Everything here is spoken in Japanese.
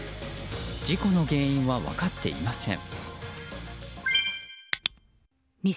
事故の原因は分かっていません。